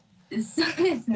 そうですね。